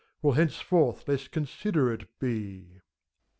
Will henceforth less considerate be.